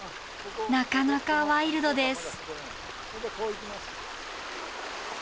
なかなかワイルドです。